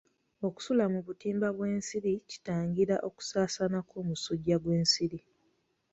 Okusula mu butimba bw'ensiri kitangira okusaasaana kw'omusujja gw'ensiri.